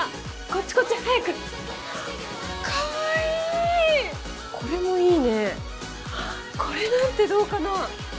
こっち早くかわいいこれもいいねあっこれなんてどうかな？